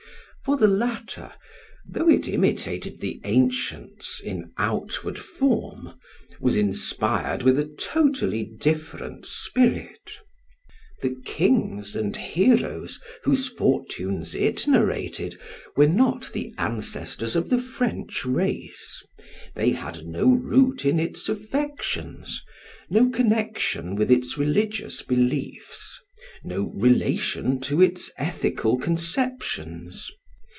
For the latter, though it imitated the ancients in outward form, was inspired with a totally different spirit. The kings and heroes whose fortunes it narrated were not the ancestors of the French race; they had no root in its affections, no connection with its religious beliefs, no relation to its ethical conceptions.